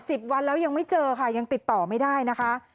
สิบวันแล้วยังไม่เจอค่ะยังติดต่อไม่ได้นะคะ